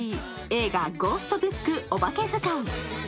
映画「ゴーストブックおばけずかん」。